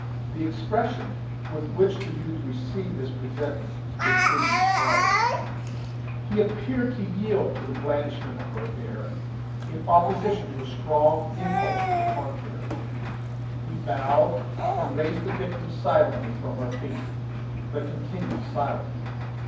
The expression with which the youth received this present was indescribable, He appeared to yield to the blandishment of her air, in opposition to a strong inward impulse to the contrary. He bowed, and raised the victim silently from her feet, but continued silent.